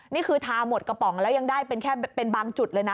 นี่คือทาหมดกระป๋องแล้วยังได้เป็นแค่เป็นบางจุดเลยนะ